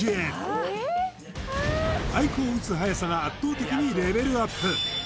太鼓を打つ速さが圧倒的にレベルアップ